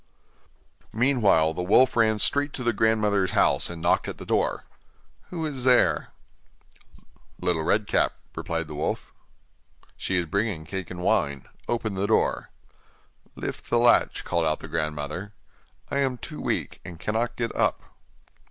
Meanwhile the wolf ran straight to the grandmother's house and knocked at the door. 'Who is there?' 'Little Red Cap,' replied the wolf. 'She is bringing cake and wine; open the door.' 'Lift the latch,' called out the grandmother, 'I am too weak, and cannot get up.